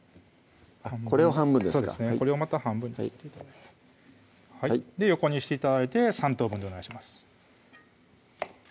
これを半分ですかこれをまた半分に切って頂いて横にして頂いて３等分でお願いします